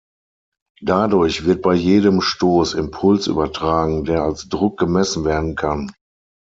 Dadurch wird bei jedem Stoß Impuls übertragen, der als Druck gemessen werden kann.